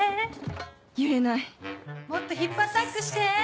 揺れないもっとヒップアタックして！